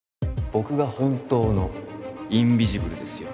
僕が本当のインビジブルですよ